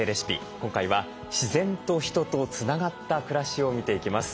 今回は自然と人とつながった暮らしを見ていきます。